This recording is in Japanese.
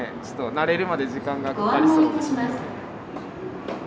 ちょっと慣れるまで時間がかかりそうですね。